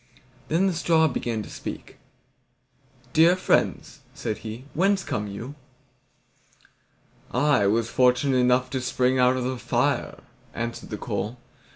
Then the straw began to speak. "Dear friends," said he, "whence come you?" "I was fortunate enough to spring out of the fire," answered the coal.